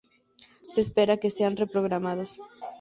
Se espera que sean re-programados.